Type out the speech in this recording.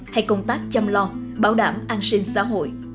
hay công tác chăm lo bảo đảm an sinh xã hội